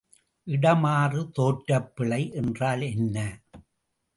இடமாறு தோற்றப் பிழை என்றால் என்ன?